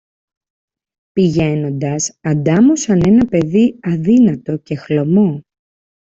Πηγαίνοντας αντάμωσαν ένα παιδί αδύνατο και χλωμό